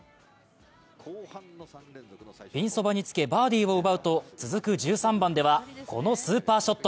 ピンそばにつけ、バーディーを奪うと続く１３番では、このスーパーショット。